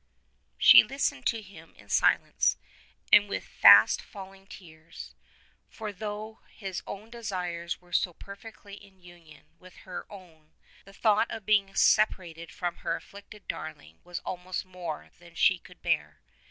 She listened to him in silence and with fast falling tears. For though his own desires were so perfectly in union with her own the thought of being separated from her afflicted darling was almost more than she could bear.